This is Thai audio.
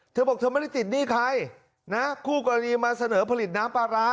เธอบอกเธอไม่ได้ติดหนี้ใครนะคู่กรณีมาเสนอผลิตน้ำปลาร้า